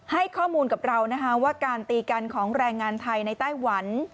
ให้ข้อมูลกับเรานะคะว่าการตีกันของแรงงานไทยในไต้หวัน